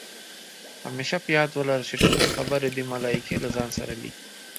همېشه په یاد ولره، چې ټولې خبرې دې ملائکې له ځان سره لیکي